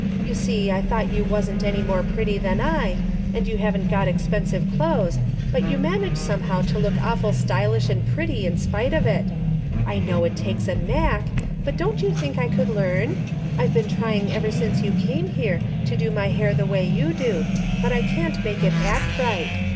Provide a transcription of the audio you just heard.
You see I thought you wasn't any more pretty than I, and you haven't got expensive clo'es, but you manage somehow to look awful stylish and pretty in spite of it. I know it takes a knack, but don't you think I could learn ? I've been trying ever since you came here to do my hair the way you do, but I can't make it act right.